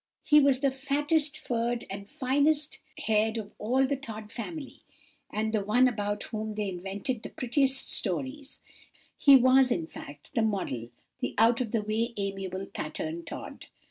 He was the fattest furred and finest haired of all the Tod family, and the one about whom they invented the prettiest stories; he was, in fact, the model, the out of the way amiable pattern Tod.